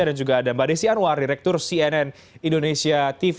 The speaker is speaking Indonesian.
dan juga ada mbak desi anwar direktur cnn indonesia tv